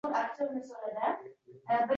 umumiy toifadagi xodimlar uchun